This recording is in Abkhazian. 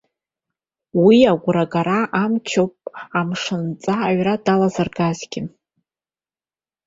Убри агәрагара амч ауп амшынҵа аҩра далазыргазгьы.